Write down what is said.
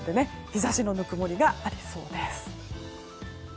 日差しのぬくもりがありそうです。